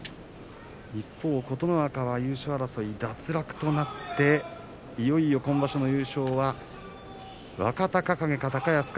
一方、琴ノ若は優勝争い脱落となっていよいよ今場所の優勝は若隆景か高安